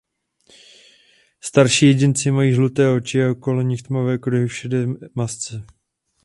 Starší jedinci mají žluté oči a okolo nich tmavé kruhy v šedé masce.